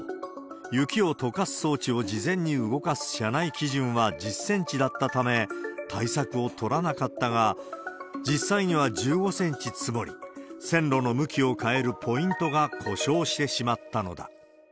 雪をとかす装置を事前に動かす社内基準は１０センチだったため対策を取らなかったが、実際には１５センチ積もり、線路の向きを変えるポイントが故障してしまったのだ。